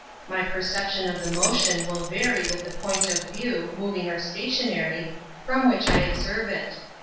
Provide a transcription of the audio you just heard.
My perception of the motion will vary with the point of view, moving or stationary, from which I observe it.